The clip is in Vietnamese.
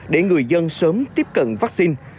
để người dân sớm tiếp cận vaccine